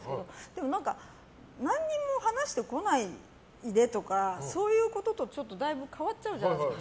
でも、何も話してこないでとかそういうことと、だいぶ変わってくるじゃないですか。